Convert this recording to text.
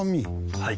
はい。